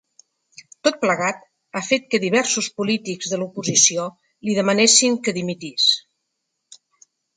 Tot plegat, ha fet que diversos polítics de l’oposició li demanessin que dimitís.